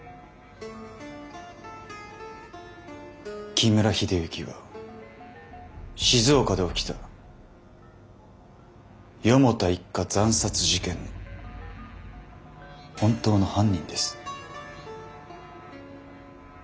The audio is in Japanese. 木村英之は静岡で起きた四方田一家惨殺事件の本当の犯人です。